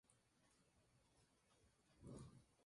Ese mismo año, fue nominado en el seleccionado resto del mundo.